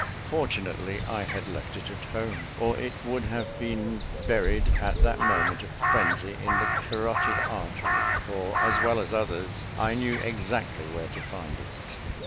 Fortunately I had left it at home, or it would have been buried, in that moment of frenzy, in the carotid artery; for as well as others, I knew exactly where to find it.